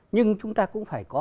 nhưng chúng ta cũng phải có